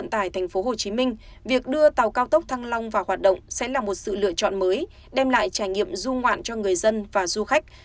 tại tp hcm việc đưa tàu cao tốc thăng long vào hoạt động sẽ là một sự lựa chọn mới đem lại trải nghiệm du ngoạn cho người dân và du khách